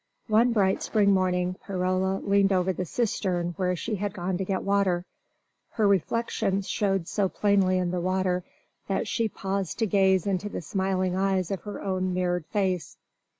One bright spring morning Perola leaned over the cistern where she had gone to get water. Her reflection showed so plainly in the water that she paused to gaze into the smiling eyes of her own mirrored face.